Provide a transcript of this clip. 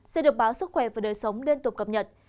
sẽ được báo sức khỏe và đời sống liên tục cập nhật